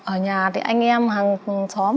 ở nhà thì anh em hàng xóm